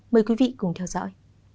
mời quý vị cùng theo dõi